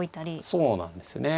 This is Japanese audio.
そうなんですよね。